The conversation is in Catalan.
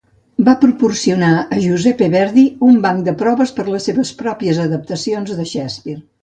Va proporcionar a Giuseppe Verdi un banc de proves per a les seves pròpies adaptacions de Shakespeare.